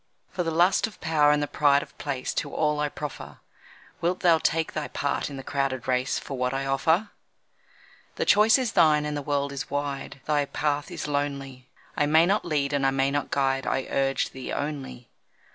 For the lust of power and the pride of place To all I proffer. Wilt thou take thy part in the crowded race For what I offer? The choice is thine, and the world is wide Thy path is lonely. I may not lead and I may not guide I urge thee only.